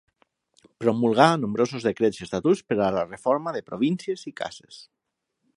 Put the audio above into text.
Promulgà nombrosos decrets i estatuts per a la reforma de províncies i cases.